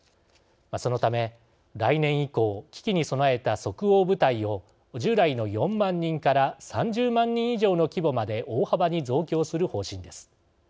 そのため、来年以降危機に備えた即応部隊を従来の４万人から３０万人以上の規模まで大幅に増強する方針です。